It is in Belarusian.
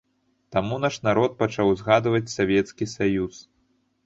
Таму наш народ пачаў узгадваць савецкі саюз.